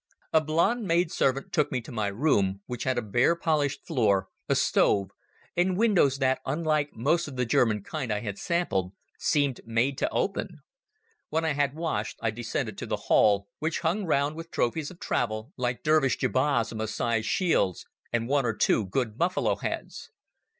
A blonde maidservant took me to my room, which had a bare polished floor, a stove, and windows that, unlike most of the German kind I had sampled, seemed made to open. When I had washed I descended to the hall, which was hung round with trophies of travel, like Dervish jibbahs and Masai shields and one or two good buffalo heads.